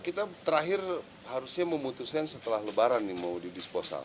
kita terakhir harusnya memutuskan setelah lebaran nih mau didisposal